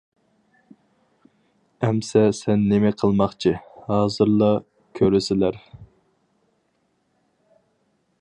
-ئەمسە سەن نېمى قىلماقچى؟ -ھازىرلا كۆرىسىلەر.